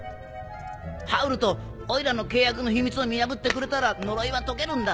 ハウルとオイラの契約の秘密を見破ってくれたら呪いは解けるんだ！